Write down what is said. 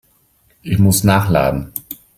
Ich muss nachladen.